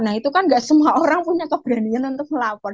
nah itu kan gak semua orang punya keberanian untuk melapor